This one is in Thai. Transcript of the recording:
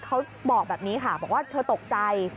เขาบอกแบบนี้ค่ะบอกว่าเธอตกใจ